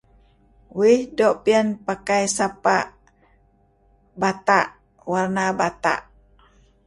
Uih doo' piyan pakai sapa' bata' warna bata'.